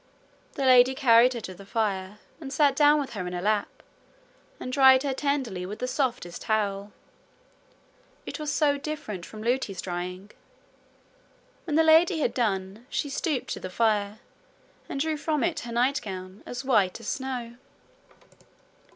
The lady carried her to the fire, and sat down with her in her lap, and dried her tenderly with the softest towel. It was so different from Lootie's drying. When the lady had done, she stooped to the fire, and drew from it her night gown, as white as snow.